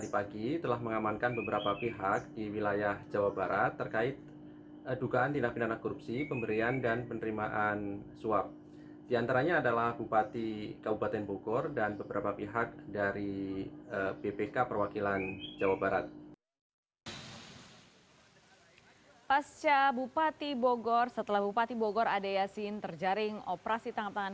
pasca bupati bogor setelah bupati bogor adeyasin terjaring operasi tangkap tangan